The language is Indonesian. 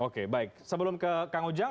oke baik sebelum ke kang ujang